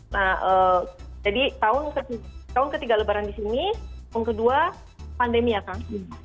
nah jadi tahun ketiga lebaran di sini tahun kedua pandemi ya kang